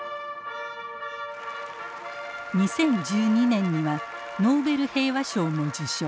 ２０１２年にはノーベル平和賞も受賞。